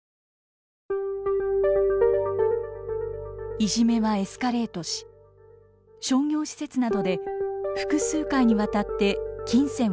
いじめはエスカレートし商業施設などで複数回にわたって金銭を要求されます。